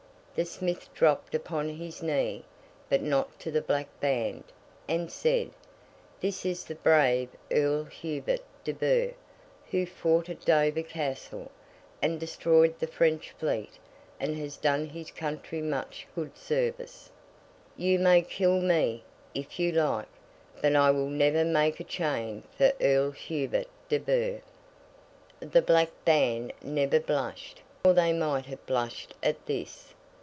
the Smith dropped upon his knee—but not to the Black Band—and said, 'This is the brave Earl Hubert de Burgh, who fought at Dover Castle, and destroyed the French fleet, and has done his country much good service. You may kill me, if you like, but I will never make a chain for Earl Hubert de Burgh!' The Black Band never blushed, or they might have blushed at this.